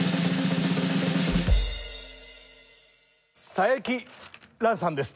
佐伯藍さんです。